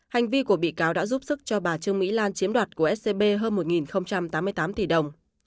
hành vi của bị cáo đã giúp sức cho bà trương mỹ lan chiếm đoạt của scb hơn một tám mươi tám tỷ đồng